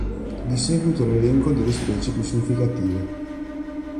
Di seguito l'elenco delle specie più significative.